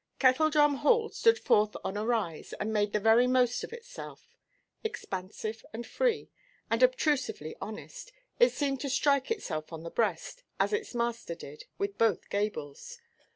Kettledrum Hall stood forth on a rise, and made the very most of itself. Expansive, and free, and obtrusively honest, it seemed to strike itself on the breast (as its master did) with both gables.